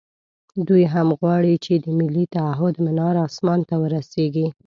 دوی هم غواړي چې د ملي تعهُد منار اسمان ته ورسېږي.